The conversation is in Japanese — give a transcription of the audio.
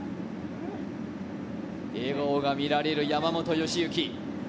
笑顔が見られる山本良幸。